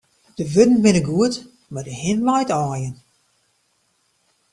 De wurden binne goed, mar de hin leit aaien.